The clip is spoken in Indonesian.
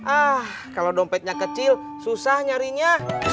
ah kalau dompetnya kecil susah nyarinya